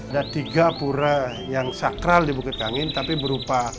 ada tiga pura yang sakral di bukit kangen